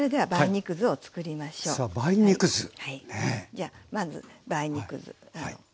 じゃあまず梅肉酢。